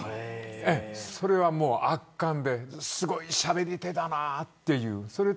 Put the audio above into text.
それが圧巻ですごいしゃべり手だなって。